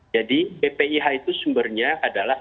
jadi bpih itu sumbernya adalah